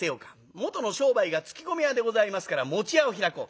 元の商売が搗米屋でございますから屋を開こう。